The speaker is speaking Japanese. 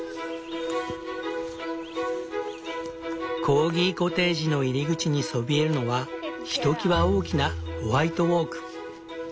コーギコテージの入り口にそびえるのはひときわ大きなホワイトオーク。